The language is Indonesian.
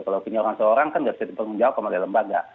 kalau opini orang seorang kan nggak bisa dipanggil pemanggil lembaga